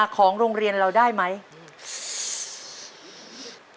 ขอเชิญแสงเดือนมาต่อชีวิต